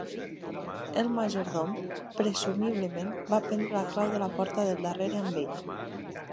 El majordom presumiblement va prendre la clau de la porta del darrere amb ell.